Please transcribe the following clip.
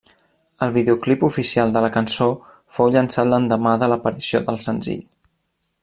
El videoclip oficial de la cançó fou llançat l'endemà de l'aparició del senzill.